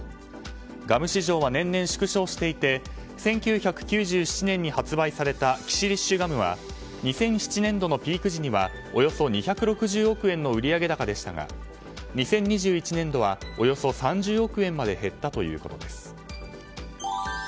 ガム市場は年々縮小していて１９９７年に発売されたキシリッシュガムは２００７年度のピーク時にはおよそ２６０億円の売上高でしたが２０２１年度はおよそ３０億円まで減ったということです。